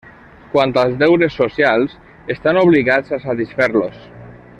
Quant als deures socials, estan obligats a satisfer-los.